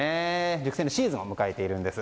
熟成のシーズンを迎えているんです。